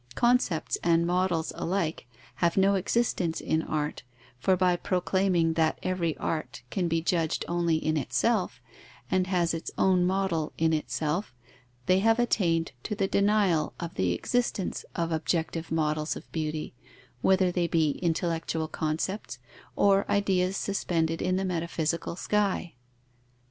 Concepts and models alike have no existence in art, for by proclaiming that every art can be judged only in itself, and has its own model in itself, they have attained to the denial of the existence of objective models of beauty, whether they be intellectual concepts, or ideas suspended in the metaphysical sky.